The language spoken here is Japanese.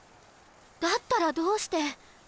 だったらどうして？